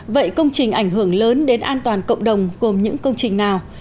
vậy công trình ảnh hưởng lớn đến an toàn cộng đồng gồm những công trình nào